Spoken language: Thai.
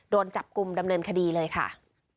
โดนจับกลุ่มดำเนินคดีเลยค่ะ